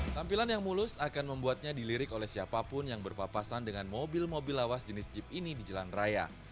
tampilan yang mulus akan membuatnya dilirik oleh siapapun yang berpapasan dengan mobil mobil lawas jenis jeep ini di jalan raya